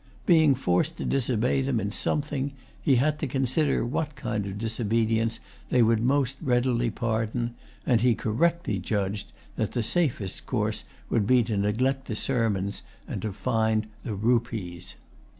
Being forced to disobey them in something, he had to consider what kind of disobedience they would most readily pardon; and he correctly[Pg 137] judged that the safest course would be to neglect the sermons and to find the rupees.